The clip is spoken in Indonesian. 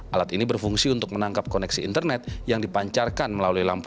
alat ini berfungsi untuk menangkap koneksi internet yang dipancarkan melalui lampu